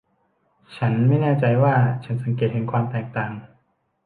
ฉันไม่แน่ใจว่าฉันสังเกตเห็นความแตกต่าง